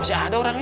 masih ada orang ya